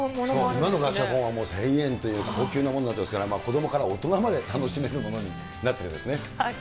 今のガチャポンは１０００円という高級なものになっていますから、子どもから大人まで楽しめるものになってるようですね。